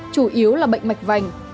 chủ yếu là bệnh mạch vành